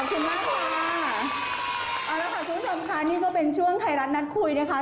เอาละค่ะทุกค่ะนี่ก็เป็นช่วงไทยรัฐนัดคุยนะคะ